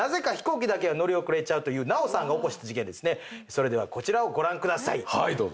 それではこちらをご覧ください。